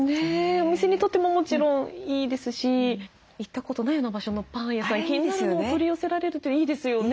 お店にとってももちろんいいですし行ったことないような場所のパン屋さん気になるのを取り寄せられるといいですよね。